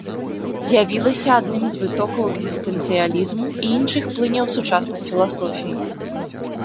З'явілася адным з вытокаў экзістэнцыялізму і іншых плыняў сучаснай філасофіі.